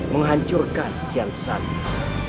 menghancurkan kian santang